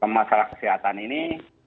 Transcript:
masalah kesehatan ini